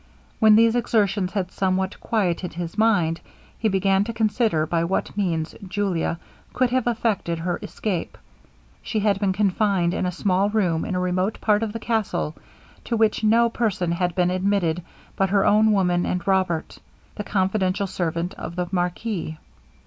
When these exertions had somewhat quieted his mind, he began to consider by what means Julia could have effected her escape. She had been confined in a small room in a remote part of the castle, to which no person had been admitted but her own woman and Robert, the confidential servant of the marquis.